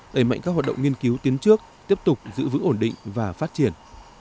đẩy mạnh các hoạt động nghiên cứu tiến trước tiếp tục giữ vững ổn định và phát triển